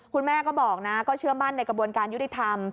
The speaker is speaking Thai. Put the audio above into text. คุณแม่ก็บอกนะก็เชื่อมั่นในกระบวนการยุติธรรม